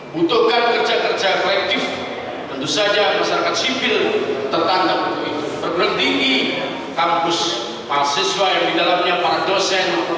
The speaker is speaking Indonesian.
berhenti kampus mahasiswa yang didalamnya para dosen